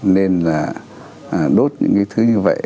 nên là đốt những thứ như vậy